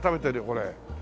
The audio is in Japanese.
これ。